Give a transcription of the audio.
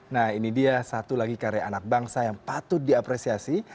nah ini dia satu lagi karya anak bangsa yang patut diapresiasi